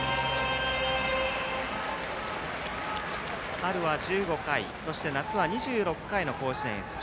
春は１５回夏は２６回の甲子園出場。